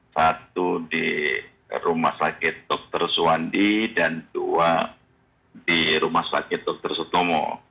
satu di rumah sakit dr suwandi dan dua di rumah sakit dr sutomo